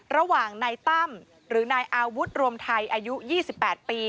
ระหว่างนายตั้มหรือนายอาวุธรวมไทยอายุ๒๘ปี